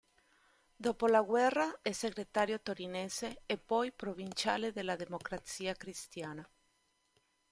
Dopo la guerra è segretario torinese e poi provinciale della Democrazia Cristiana.